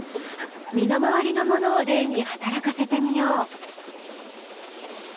身の回りのものを例に働かせてみよう。